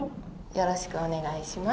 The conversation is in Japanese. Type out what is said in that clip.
よろしくお願いします。